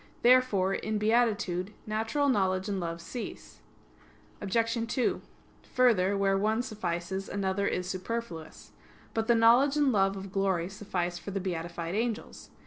Therefore, in beatitude, natural knowledge and love cease. Obj. 2: Further, where one suffices, another is superfluous. But the knowledge and love of glory suffice for the beatified angels.